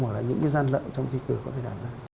hoặc là những cái gian lợi trong thi cửa có thể đạt ra